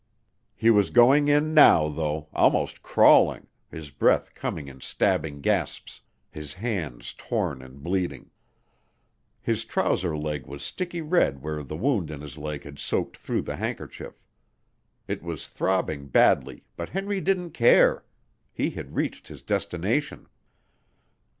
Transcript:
He was going in now though, almost crawling, his breath coming in stabbing gasps, his hands torn and bleeding. His trouser leg was sticky red where the wound in his leg had soaked through the handkerchief. It was throbbing badly but Henry didn't care. He had reached his destination.